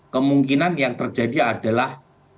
kemungkinan yang terjadi adalah